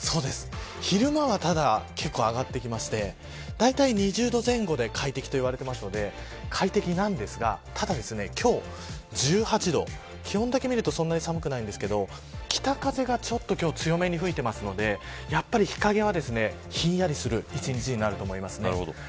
昼間はただ、上がってきましてだいたい２０度前後で快適といわれていますので快適なんですが、ただ今日１８度、気温だけ見るとそんなに寒くないんですけど北風が今日はちょっと強めに吹いていますのでやっぱり日陰はひんやりする１日になると思います。